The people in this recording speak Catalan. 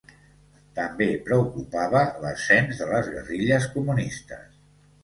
També preocupava l'ascens de les guerrilles comunistes.